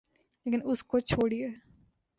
لیکن اس کو چھوڑئیے۔